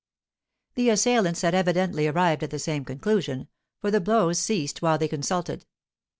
The assailants had evidently arrived at the same conclusion, for the blows ceased while they consulted.